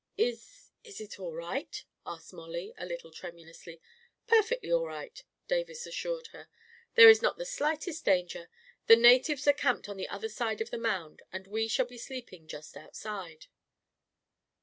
" Is — i s it all right?" asked Mollie, a little tremulously. " Perfectly all right," Davis assured her. "There is not the slightest danger. The natives are camped on the other side of the mound, and we shall be sleeping just outside."